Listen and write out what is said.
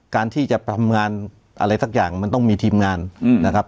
การที่จะทำงานอะไรสักอย่างมันต้องมีทีมงานนะครับ